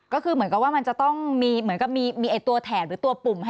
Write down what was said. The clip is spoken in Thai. ก็คือเหมือนกับว่ามันจะต้องมีตัวแถดหรือตัวปุ่ม